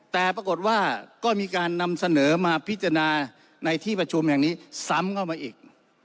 แต่ปรากฏว่าก็มีการนำเสนอมาพิจารณาในที่ประชุมแห่งนี้ซ้ำเข้ามาอีก